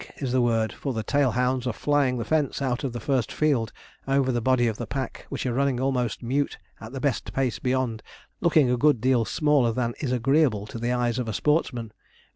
is the word, for the tail hounds are flying the fence out of the first field over the body of the pack, which are running almost mute at best pace beyond, looking a good deal smaller than is agreeable to the eyes of a sportsman.